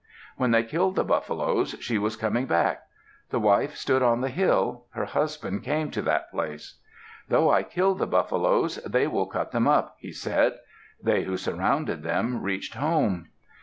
When they killed the buffaloes she was coming back; the wife stood on the hill. Her husband came to that place. "Though I killed the buffaloes, they will cut them up," he said. They who surrounded them reached home.